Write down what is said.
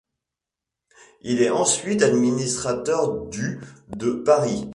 Il est ensuite administrateur du de Paris.